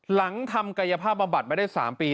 หลังทำกายภาพบำบัดมาได้๓ปี